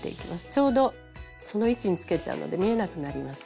ちょうどその位置につけちゃうので見えなくなります。